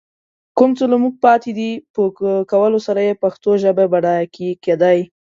کوم څه له موږ پاتې دي، په کولو سره يې پښتو ژبه بډايه کېدای